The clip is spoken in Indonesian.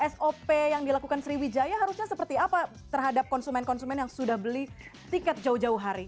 sop yang dilakukan sriwijaya harusnya seperti apa terhadap konsumen konsumen yang sudah beli tiket jauh jauh hari